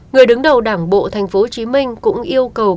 người đứng đầu đảng bộ tp thủ đức cũng yêu cầu các hạn chế này